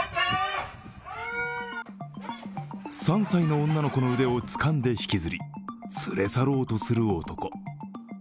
３歳の女の子の腕をつかんで引きずり、連れ去ろうとする男。